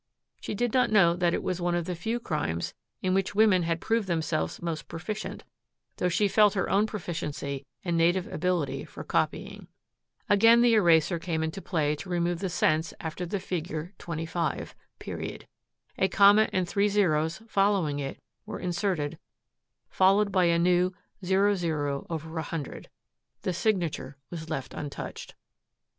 She did not know that it was one of the few crimes in which women had proved themselves most proficient, though she felt her own proficiency and native ability for copying. Again the eraser came into play to remove the cents after the figure "25." A comma and three zeros following it were inserted, followed by a new "00/100." The signature was left untouched.